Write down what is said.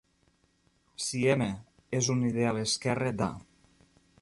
Si "M" és un ideal esquerre d'"A".